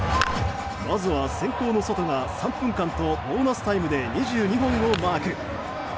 まずは先行のソトが３分間とボーナスタイムで２２本をマーク。